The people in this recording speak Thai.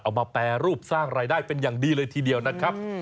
มาแปรรูปสร้างรายได้เป็นอย่างดีเลยทีเดียวนะครับ